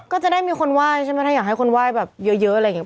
ก็จะได้มีคนไหว้ใช่ไหมถ้าอยากให้คนไหว้แบบเยอะอะไรอย่างนี้